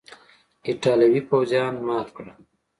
ایټالوي پوځیان مات کړل.